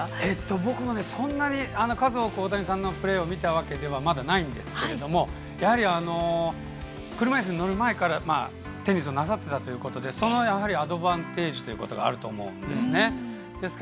僕もそんなに数多く大谷さんのプレーをまだ見たわけではないんですがやはり、車いすに乗る前からテニスをなさっていたということでそのアドバンテージがあると思うんですね。